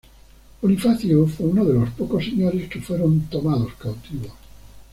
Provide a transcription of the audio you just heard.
Bonifacio fue uno de los pocos señores que fueron tomados cautivos.